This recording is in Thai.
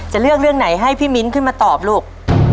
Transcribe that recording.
จะเลือกเรื่องไหนให้พี่มิ้นขึ้นมาตอบลูก